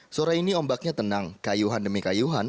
sore ini ombaknya tenang kayuhan demi kayuhan